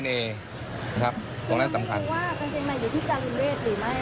คุณไม่รู้ว่ากางเกงในอยู่ที่การุนเวชหรือไม่